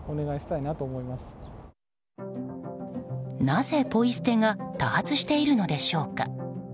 なぜポイ捨てが多発しているのでしょうか。